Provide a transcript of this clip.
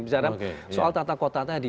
bicara soal tata kota tadi